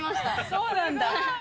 そうなんだ。